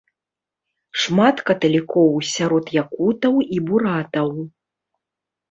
Шмат каталікоў сярод якутаў і буратаў.